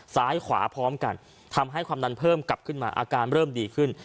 ซ้ายขวาพร้อมกันทำให้ความดันเพิ่มกลับขึ้นมาอาการเริ่มดีขึ้น